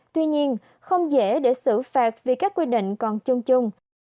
tuy nhiên không dễ để xử phạt vì các quy định còn chung chung